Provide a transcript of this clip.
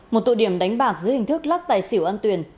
một tụ điểm đánh bạc dưới hình thức lắc tài xỉu ăn tuyền